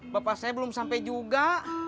bapak saya belum sampai juga